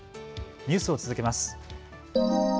ニュースを続けます。